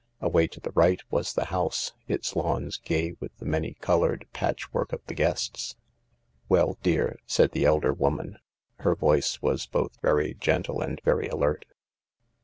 Away to the right was the house, its lawns gay with the many coloured patchwork of the guests. " Well, dear ?" said the elder woman ; her voice was both very gentle and very alert.